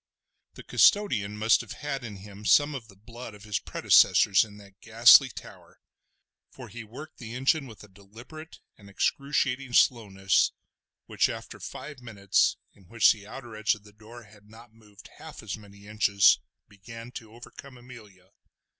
The custodian must have had in him some of the blood of his predecessors in that ghastly tower, for he worked the engine with a deliberate and excruciating slowness which after five minutes, in which the outer edge of the door had not moved half as many inches, began to overcome Amelia.